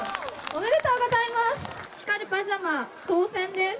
おめでとうございます。